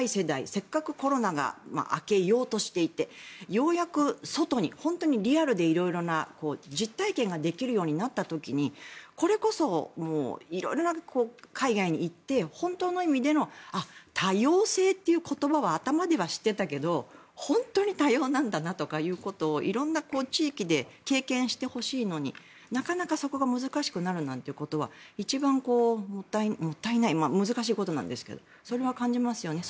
せっかくコロナが明けようとしていてようやく外に本当にリアルで色々な実体験ができるようになった時にこれこそ色々な海外に行って本当の意味での多様性という言葉は頭では知ってたけど本当に多様なんだなということを色んな地域で経験してほしいのになかなかそこが難しいということは一番もったいない難しいことなんですけどそれは感じますよね。